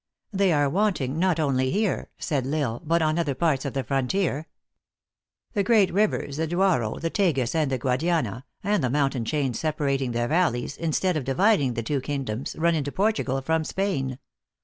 "They are wanting, not only here," said L Isle, " but on other parts of the frontier. The great rivers, the Duoro, the Tagus and the Guadiana, and the mountain chains separating their valleys, instead of dividing the two kingdoms, run into Portugal from Spain.